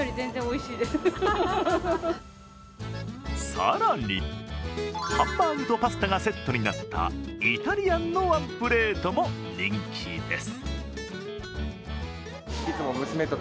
更に、ハンバーグとパスタがセットになったイタリアンのワンプレートも人気です。